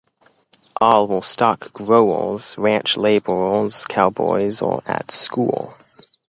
All were stock growers, ranch laborers, cowboys or at school.